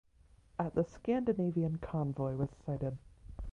At the Scandinavian convoy was sighted.